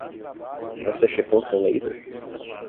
Você checou seu laser?